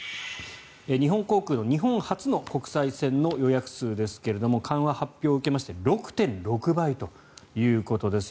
日本航空の日本発の国際線の予約数ですが緩和発表を受けまして６．６倍ということです。